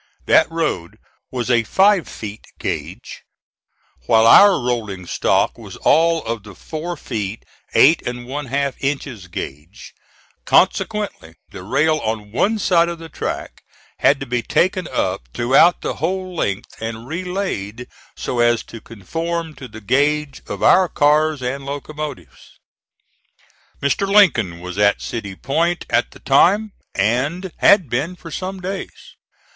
That road was a 5 feet gauge, while our rolling stock was all of the 4 feet 8 1/2 inches gauge; consequently the rail on one side of the track had to be taken up throughout the whole length and relaid so as to conform to the gauge of our cars and locomotives. Mr. Lincoln was at City Point at the time, and had been for some days.